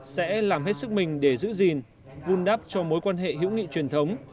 sẽ làm hết sức mình để giữ gìn vun đắp cho mối quan hệ hữu nghị truyền thống